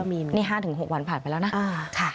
นี่๕๖วันผ่านไปแล้วนะ